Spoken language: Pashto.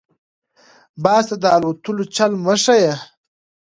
- باز ته دالوتلو چل مه ښیه.